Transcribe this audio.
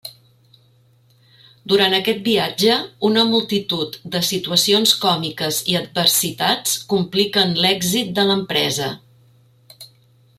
Durant aquest viatge, una multitud de situacions còmiques i adversitats compliquen l'èxit de l'empresa.